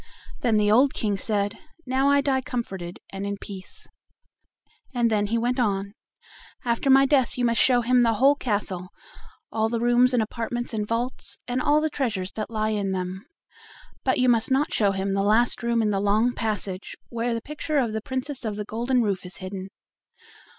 Then the old King said: "Now I die comforted and in peace"; and then he went on: "After my death you must show him the whole castle, all the rooms and apartments and vaults, and all the treasures that lie in them; but you must not show him the last room in the long passage, where the picture of the Princess of the Golden Roof is hidden.